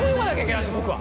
僕は。